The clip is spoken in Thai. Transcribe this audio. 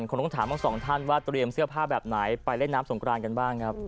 คงต้องถามทั้งสองท่านว่าเตรียมเสื้อผ้าแบบไหนไปเล่นน้ำสงกรานกันบ้างครับ